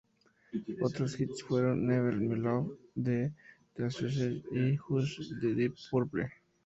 Otros hits fueron "Never My Love" de The Association y "Hush" de Deep Purple.